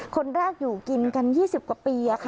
คนแรกอยู่กินกัน๒๐กว่าปี